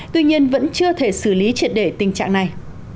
tuy nhiên vẫn chưa thể xử lý triệt để tình trạng này